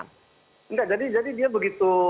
nggak jadi dia begitu